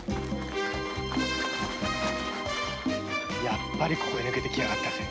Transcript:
やっぱりここを出て来やがったぜ。